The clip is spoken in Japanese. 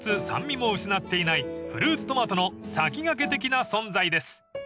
酸味も失っていないフルーツトマトの先駆け的な存在です］